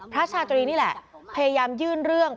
ชาตรีนี่แหละพยายามยื่นเรื่อง